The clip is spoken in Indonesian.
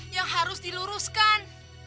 yang harus diluruskan